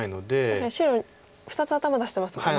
確かに白２つ頭出してますもんね。